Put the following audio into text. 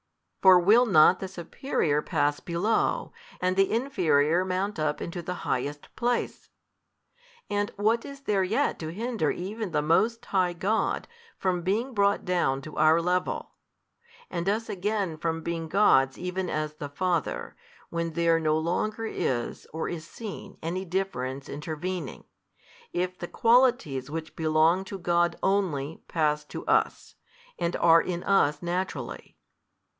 For will not the superior pass below, and the inferior mount up into the highest place? And what is there yet to hinder even the Most High God from being brought down to our level, and us again from being gods even as the Father, when there no longer is or is seen any difference intervening, if the qualities which belong to God Only pass to us, and are in us naturally?